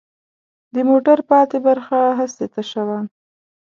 د موټر پاتې برخه هسې تشه وه.